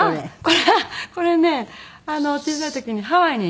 これこれね小さい時にハワイに。